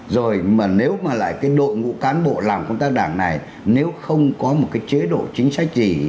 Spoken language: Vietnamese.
rồi mà nếu mà lại cái đội ngũ cán bộ làm công tác đảng này nếu không có một cái chế độ chính sách gì